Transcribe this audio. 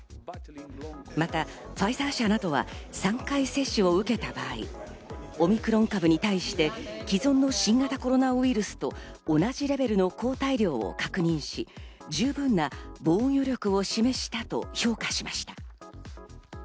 またファイザー社などは３回接種を受けた場合、オミクロン株に対して既存の新型コロナウイルスと同じレベルの抗体量を確認し、十分な防御力を示したと評価しました。